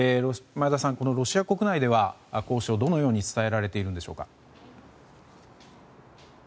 前田さん、ロシア国内では交渉はどのように伝えられているんでしょうか。